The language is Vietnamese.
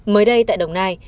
mới đây tại đồng nai